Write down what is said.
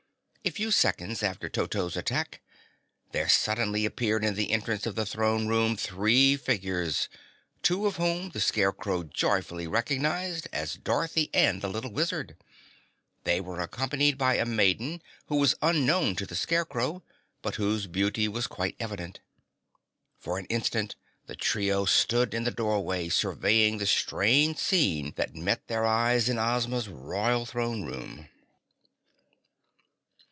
A few seconds after Toto's attack, there suddenly appeared in the entrance of the throne room three figures, two of whom the Scarecrow joyfully recognized as Dorothy and the Little Wizard. They were accompanied by a maiden who was unknown to the Scarecrow but whose beauty was quite evident. For an instant the trio stood in the doorway, surveying the strange scene that met their eyes in Ozma's Royal Throne Room.